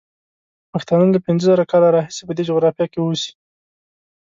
پښتانه له پینځه زره کاله راهیسې په دې جغرافیه کې اوسي.